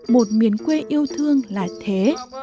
một miền quê yêu thương là thế